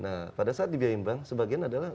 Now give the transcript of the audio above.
nah pada saat dibiayain bank sebagian adalah